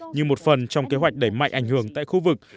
như một phần trong kế hoạch đẩy mạnh ảnh hưởng tại khu vực